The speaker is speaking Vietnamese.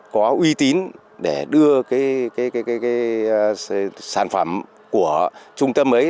có uy tín để đưa cái sản phẩm của trung tâm ấy